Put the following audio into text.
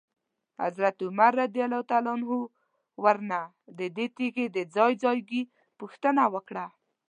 حضرت عمر رضی الله عنه ورنه ددې تیږي د ځای ځایګي پوښتنه وکړه.